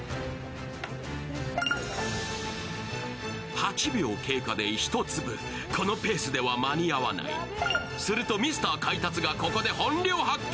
８秒経過で１粒、このペースでは間に合わないするとミスター買い達がここで本領を発揮。